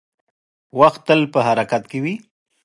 • وخت تل په حرکت کې وي.